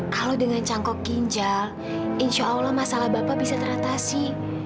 kalau dengan cangkok ginjal insya allah masalah bapak bisa teratasi